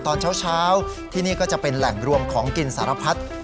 ตอนเช้าที่นี่ก็จะเป็นแหล่งรวมของกินสารพัด